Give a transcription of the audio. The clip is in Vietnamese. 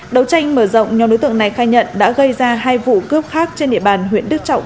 đầu tranh mở rộng nhóm đối tượng này khai nhận đã gây ra hai vụ cướp khác trên địa bàn huyện đức trọng